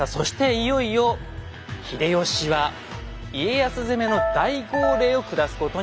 いよいよ秀吉は家康攻めの大号令を下すことになるんです。